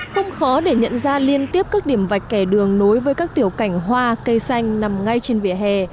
không khó để nhận ra liên tiếp các điểm vạch kẻ đường nối với các tiểu cảnh hoa cây xanh nằm ngay trên vỉa hè